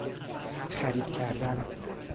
خرید کردن